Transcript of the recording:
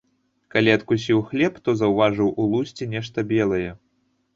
Калі адкусіў хлеб, то заўважыў у лусце нешта белае.